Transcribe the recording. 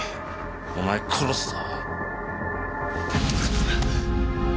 お前殺すぞ。